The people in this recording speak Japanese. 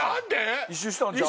一周したんちゃう？